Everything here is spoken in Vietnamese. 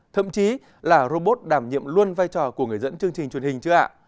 thậm chí là robot đảm nhiệm luôn vai trò của người dẫn chương trình truyền hình chưa ạ